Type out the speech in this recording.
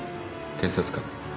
検察官。